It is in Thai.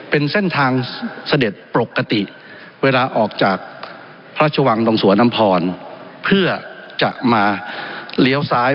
เป็นเส้นทางเสด็จปกติเวลาออกจากพระชวังดงสวนอำพรเพื่อจะมาเลี้ยวซ้าย